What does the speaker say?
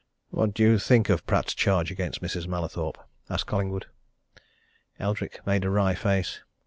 "What do you think of Pratt's charge against Mrs. Mallathorpe?" asked Collingwood. Eldrick made a wry face.